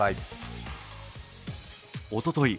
おととい